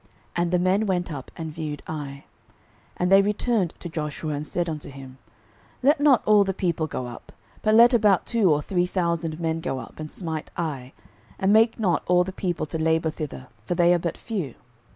And the men went up and viewed Ai. 06:007:003 And they returned to Joshua, and said unto him, Let not all the people go up; but let about two or three thousand men go up and smite Ai; and make not all the people to labour thither; for they are but few.